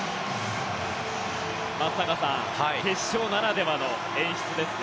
松坂さん決勝ならではの演出ですね。